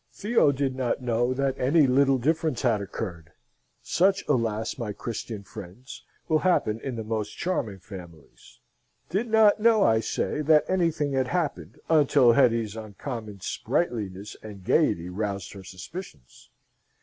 Theo did not know that any little difference had occurred (such, alas, my Christian friends, will happen in the most charming families), did not know, I say, that anything had happened until Hetty's uncommon sprightliness and gaiety roused her suspicions.